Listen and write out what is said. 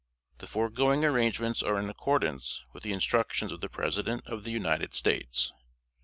"The foregoing arrangements are in accordance with the instructions of the President of the United States.